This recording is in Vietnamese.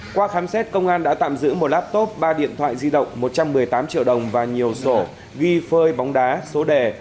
qua khám xét công an đã tạm giữ một laptop ba điện thoại di động một trăm một mươi tám triệu đồng và nhiều sổ ghi phơi bóng đá số đề